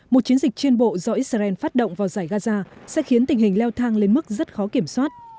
một chiến dịch trên bộ do israel phát động vào giải gaza sẽ khiến tình hình leo thang lên mức rất khó kiểm soát